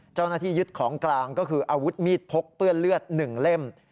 เจ้าหน้าที่ยึดของกลางก็คืออาวุธมีดพกเปื้อนเลือด๑เล่ม